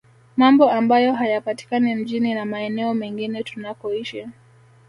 Mambo ambayo hayapatikani mjini na maeneo mengine tunakoishi